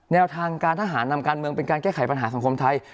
แนวทางการทหารนำการเมืองเป็นการแก้ไขปัญหาสังคมไทย